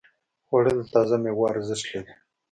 خوړل د تازه ميوو ارزښت لري